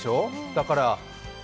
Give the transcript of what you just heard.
だから、